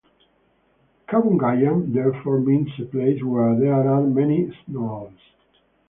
"Kabukgayan", therefore, means a place where there are many snails.